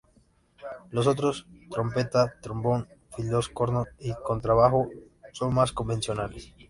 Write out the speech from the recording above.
Los otros —trompeta, trombón, fliscorno y contrabajo— son más convencionales.